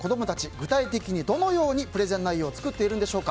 具体的にどのようにプレゼン内容を作っているのでしょうか。